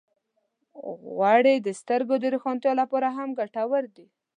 غوړې د سترګو د روښانتیا لپاره هم ګټورې دي.